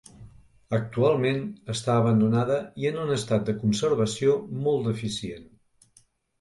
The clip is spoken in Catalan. Actualment està abandonada i en un estat de conservació molt deficient.